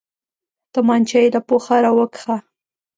تمانچه يې له پوښه راوکښ.